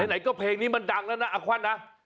ไหนก็เพลงนี้มันดังแล้วนะอาควันนะ